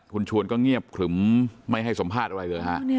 คุณชวนก็เงียบขรึมไม่ให้สัมภาษณ์อะไรเลยฮะ